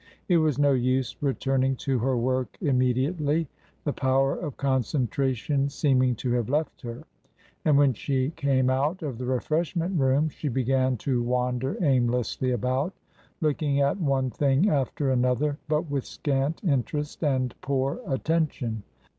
It was no use returning to her work immediately, the power of concen tration seeming to have left her, and when she came out of the refreshment room she began to wander aimlessly about, looking at one thing after another, but with scant interest and poor attention.